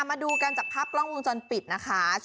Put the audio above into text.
มาดูกันจากภาพกล้องวงจรปิดนะคะ